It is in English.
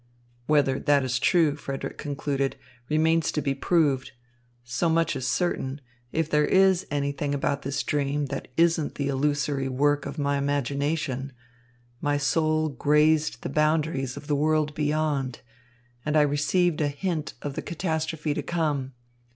"Whether that is true," Frederick concluded, "remains to be proved. So much is certain if there is anything about this dream that isn't the illusory work of my imagination my soul grazed the boundaries of the world beyond, and I received a hint of the catastrophe to come.